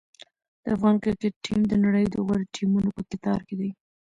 د افغان کرکټ ټیم د نړۍ د غوره ټیمونو په کتار کې دی.